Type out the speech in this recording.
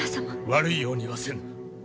悪いようにはせぬ！